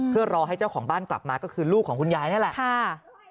เพื่อรอให้เจ้าของบ้านกลับมาก็คือลูกของคุณยายนั่นแหละค่ะ